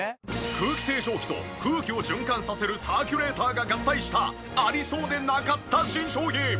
空気清浄機と空気を循環させるサーキュレーターが合体したありそうでなかった新商品。